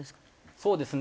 そうですね